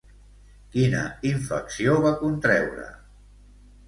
Quina infecció va contreure?